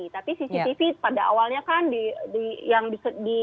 tapi cctv pada awalnya kan yang di